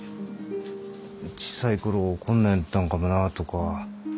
小さい頃こんなんやったんかもなあとか